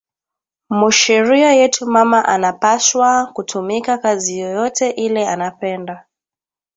Mu sheria yetu mama anapashwa kutumika kazi yoyote ile anapenda